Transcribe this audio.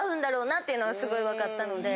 っていうのはすごい分かったので。